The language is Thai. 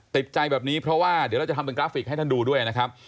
ติดใจแบบนี้เพราะว่าเดี๋ยวเราจะทำเป็นกราฟิกให้ท่านดูด้วยนะครับ